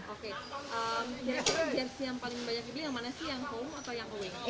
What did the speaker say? jersy yang paling banyak dibeli yang mana sih yang home atau yang away